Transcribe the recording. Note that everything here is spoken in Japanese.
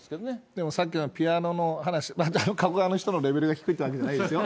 でもさっきのピアノの話、また加古川の人のレベルが低いってわけじゃないですよ。